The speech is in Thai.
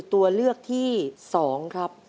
ตัวเลือกที่๒ครับ